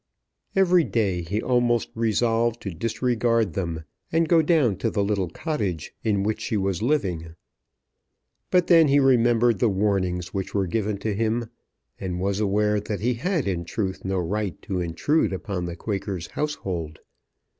Every day he almost resolved to disregard them, and go down to the little cottage in which she was living. But then he remembered the warnings which were given to him, and was aware that he had in truth no right to intrude upon the Quaker's household.